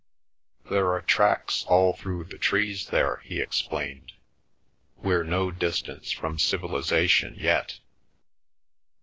"There are tracks all through the trees there," he explained. "We're no distance from civilisation yet."